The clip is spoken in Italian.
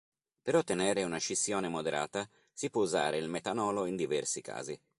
Per ottenere una scissione moderata si può usare il metanolo in diversi casi.